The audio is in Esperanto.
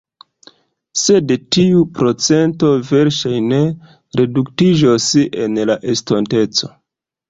Sed tiu procento verŝajne reduktiĝos en la estonteco..